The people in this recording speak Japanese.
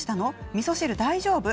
みそ汁大丈夫？